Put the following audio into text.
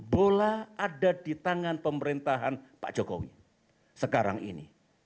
bola ada di tangan pemerintahan pak jokowi sekarang ini